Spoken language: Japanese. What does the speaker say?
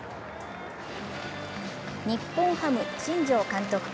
日本ハム・新庄監督